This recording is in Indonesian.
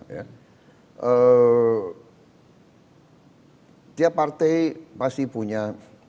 setiap partai pasti punya